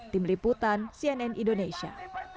tim liputan cnn indonesia